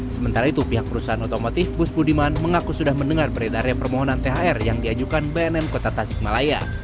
sementara itu pihak perusahaan otomotif bus budiman mengaku sudah mendengar beredarnya permohonan thr yang diajukan bnn kota tasikmalaya